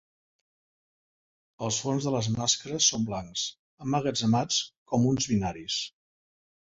Els fons de les màscares són blancs, emmagatzemats com uns binaris.